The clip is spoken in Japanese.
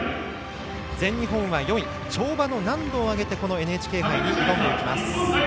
全日本は４位跳馬の難度を上げてこのＮＨＫ杯に挑んでいきます。